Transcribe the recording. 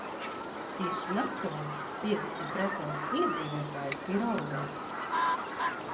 Tieši Maskavā piecdesmit procenti iedzīvotāju ir oligarhi.